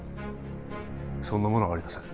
そんなものありません